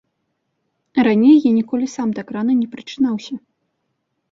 Раней я ніколі сам так рана не прачынаўся.